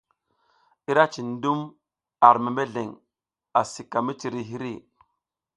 Ira cin dum ar membeleng asi ka miciri hiri.